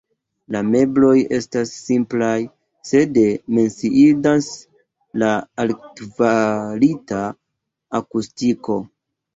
La mebloj estas simplaj, sed menciindas la altkvalita akustiko.